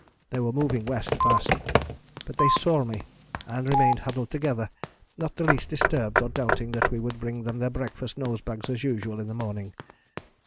They were moving west fast, but they saw me, and remained huddled together not the least disturbed, or doubting that we would bring them their breakfast nosebags as usual in the morning.